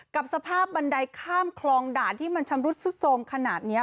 กับสภาพบันไดข้ามคลองด่านที่มันชำรุดซุดโทรมขนาดนี้